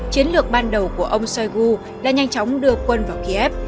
chiến lược ban đầu của ông shoigu đã nhanh chóng đưa quân vào kiev